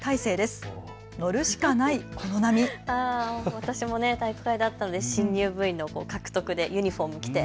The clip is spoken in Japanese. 私も体育会だったので新入部員の獲得でユニフォームを着て。